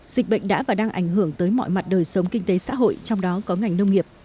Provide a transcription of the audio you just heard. dịch bệnh đã và đang ảnh hưởng tới mọi mặt đời sống kinh tế xã hội trong đó có ngành nông nghiệp